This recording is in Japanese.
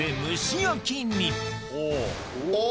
お！